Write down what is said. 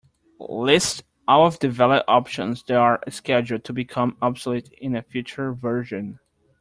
List all the valid options that are scheduled to become obsolete in a future version.